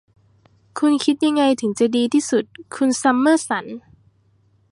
คุณคิดยังไงถึงจะดีที่สุด คุณซัมเมอร์สัน